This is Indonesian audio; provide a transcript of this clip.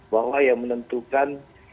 bahwa yang menentukan